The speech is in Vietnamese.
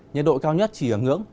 nhiệt độ cao nhất chỉ ứng ứng